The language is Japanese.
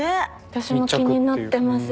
私も気になってます